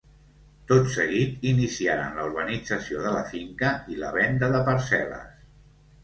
Tot seguit iniciaren la urbanització de la finca i la venda de parcel·les.